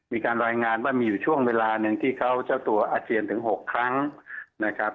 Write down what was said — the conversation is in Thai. มีการรายงานว่ามีอยู่ช่วงเวลาหนึ่งที่เขาเจ้าตัวอาเจียนถึง๖ครั้งนะครับ